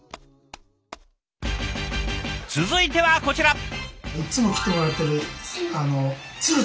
続いてはこちら。